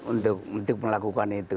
untuk untuk melakukan itu